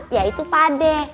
yaitu pak d